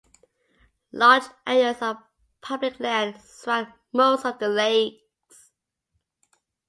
Large areas of public land surround most of the lakes.